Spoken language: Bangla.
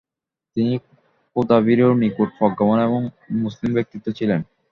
তিনি খোদাভীরু নিগূঢ় প্রজ্ঞাবান এক মুসলিম ব্যক্তিত্ব ছিলেন ।